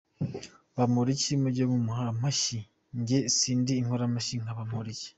Bamporiki, mujye mumuha amashyi jye sindi inkomamashyi nka Bamporiki”.